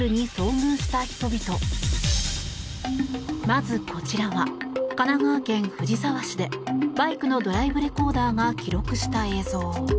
まず、こちらは神奈川県藤沢市でバイクのドライブレコーダーが記録した映像。